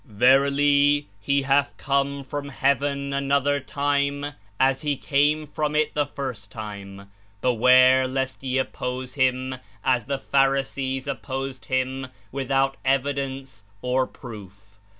"Verily, He hath come from heaven another time as He came from it the first time; beware lest ye op pose Him as the Pharisees opposed Him without evi I 12 dence or proof.